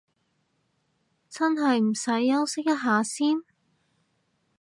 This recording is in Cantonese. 真係唔使休息一下先？